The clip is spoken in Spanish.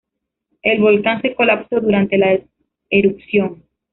El volcán se colapsó durante la erupción.